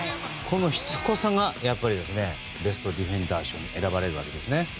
この、しつこさがベストディフェンダー賞に選ばれるわけですね。